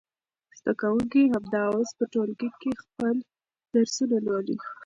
زده کوونکي همدا اوس په ټولګي کې خپل درسونه لولي.